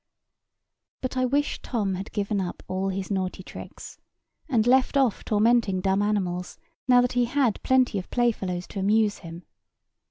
But I wish Tom had given up all his naughty tricks, and left off tormenting dumb animals now that he had plenty of playfellows to amuse him.